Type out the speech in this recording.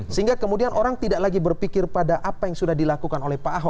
sehingga kemudian orang tidak lagi berpikir pada apa yang sudah dilakukan